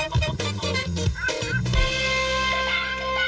มีความสุขที่จะสุดท้าย